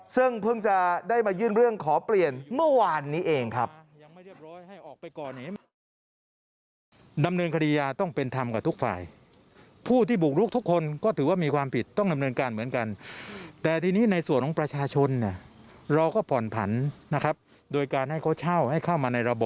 ซึ่งเพิ่งจะได้มายื่นเรื่องขอเปลี่ยนเมื่อวานนี้เองครับ